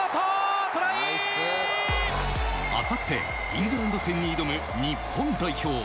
あさってイングランド戦に挑む日本代表。